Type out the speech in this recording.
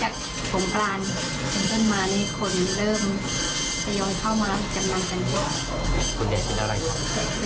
หลังจากสงกรานจนเบิ้ลมาคนเริ่มจะยอมเข้ามากำลังกัน